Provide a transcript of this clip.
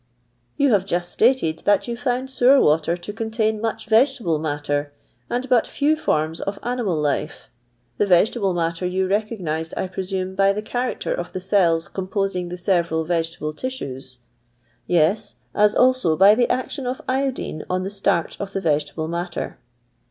" Tou have just stated that yo« found sewer water to contain much vegetable matter, and but few forms of animal life; the vegetable matter you recognised, I presume, by the character uf the cells composing the several vegetable tissues]" Tes, as also by the action of iodine «• the starch | of the vegetable matter."